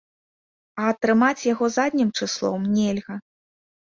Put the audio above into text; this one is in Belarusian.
А атрымаць яго заднім чыслом нельга.